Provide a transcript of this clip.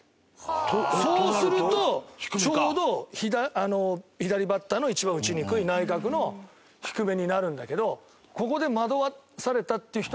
そうするとちょうど左バッターの一番打ちにくい内角の低めになるんだけどここで惑わされたっていう人は結構いるみたい。